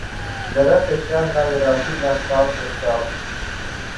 گرہ کشا ہے نہ رازیؔ نہ صاحب کشافؔ